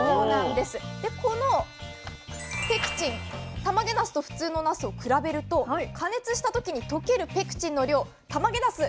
でこのペクチンたまげなすと普通のなすを比べると加熱した時に溶けるペクチンの量たまげなす